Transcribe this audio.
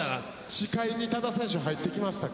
視界に多田選手入ってきましたか。